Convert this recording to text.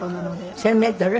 １０００メートル？